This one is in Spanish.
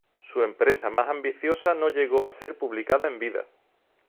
Su empresa más ambiciosa no llegó a ser publicada en vida.